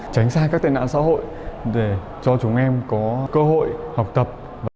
tránh sai các tên nạn xã hội để cho chúng em có cơ hội học tập